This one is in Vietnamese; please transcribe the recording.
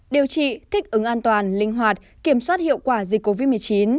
điều trị thích ứng an toàn linh hoạt kiểm soát hiệu quả dịch covid một mươi chín